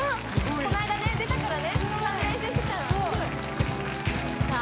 この間ね出たからねちゃんと練習してたそうさあ